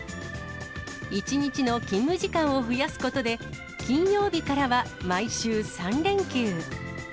１日の勤務時間を増やすことで、金曜日からは毎週３連休。